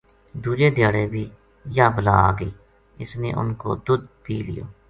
دُوجے دھیاڑے بھی یاہ بلا آ گئی اس نے اُنھ کو دُدھ پی لیو